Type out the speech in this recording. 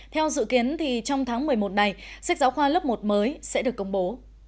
theo dự kiến trong tháng một mươi một này sách giáo khoa lớp một mới sẽ được công bố